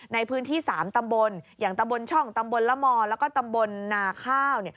ในพื้นที่๓ตำบลอย่างตำบลช่องตำบลละมแล้วก็ตำบลนาข้าว